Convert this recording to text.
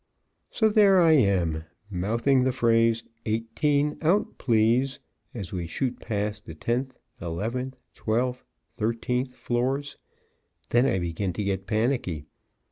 So there I am, mouthing the phrase, "Eighteen out, please," as we shoot past the tenth eleventh twelfth thirteenth floors. Then I begin to get panicky.